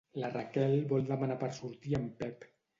La Raquel vol demanar per sortir a en Pep.